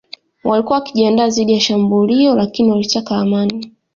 Walikuwa wakijiandaa dhidi ya shambulio lakini walitaka amani